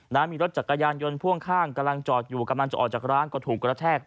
มีรถจักรยานยนต์พ่วงข้างกำลังจอดอยู่กำลังจะออกจากร้านก็ถูกกระแทก